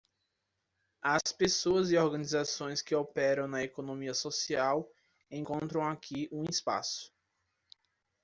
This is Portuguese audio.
As pessoas e organizações que operam na economia social encontram aqui um espaço.